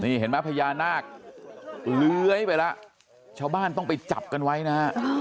นี่เห็นไหมพญานาคเลื้อยไปแล้วชาวบ้านต้องไปจับกันไว้นะฮะ